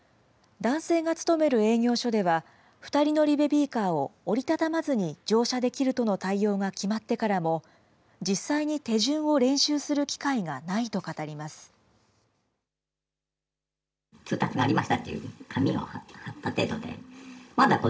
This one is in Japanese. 男性が勤める営業所では、２人乗りベビーカーを折り畳まずに乗車できるとの対応が決まってからも、実際に手順を練習する機会がないと語ります。